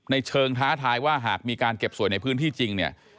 ในเชิงท้าทายว่าหากมีการเก็บสวยในพื้นที่จริงเนี่ย